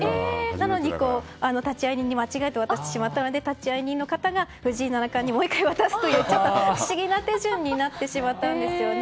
なのに、立会人に間違えて渡してしまったので立会人の方が藤井七冠にもう１回渡すというちょっと不思議な手順になってしまったんですよね。